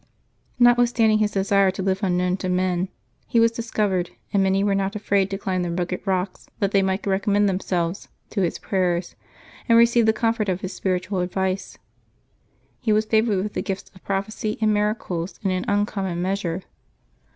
Notwithstanding his desire to live unknown to men, he w^as discovered, and many were not afraid to climb the rugged rocks that they might recommend themselves to his prayers and receive the comfort of his spiritual advice. He was favored with the gifts of prophecy and miracles in an uncommon measure.